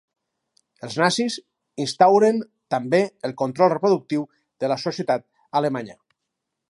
Els nazis instauren també el control reproductiu de la societat alemanya.